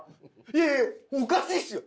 いやいやおかしいっすよ！